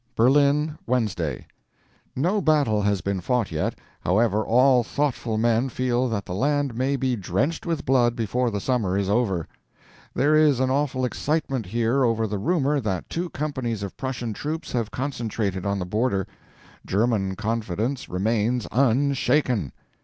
BERLIN, Wednesday. No battle has been fought yet. However, all thoughtful men feel that the land may be drenched with blood before the Summer is over. There is an awful excitement here over the rumour that two companies of Prussian troops have concentrated on the border. German confidence remains unshaken!!